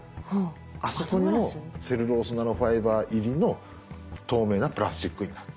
あそこにもセルロースナノファイバー入りの透明なプラスチックになってる。